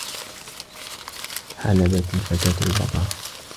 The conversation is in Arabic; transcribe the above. حَلَبَتْ الْفَتَاةُ الْبَقَرَةَ.